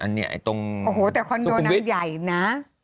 โหแต่คอนโดน้ำใหญ่นะ